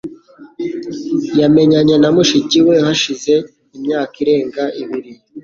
Yamenyanye na mushiki we hashize imyaka irenga ibiri